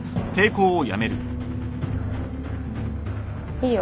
いいよ。